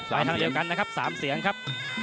ไปทางเดียวกันนะครับ๓เสียงครับ